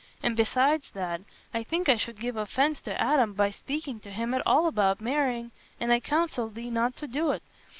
And besides that, I think I should give offence to Adam by speaking to him at all about marrying; and I counsel thee not to do't.